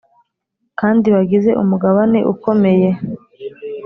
kandi bagize umugabane ukomeye